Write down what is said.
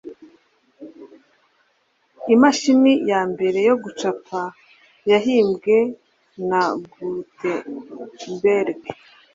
imashini ya mbere yo gucapa yahimbwe na gutenberg